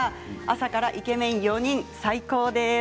朝からイケメン４人最高です。